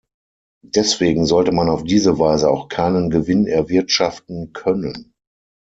Deswegen sollte man auf diese Weise auch keinen Gewinn erwirtschaften können.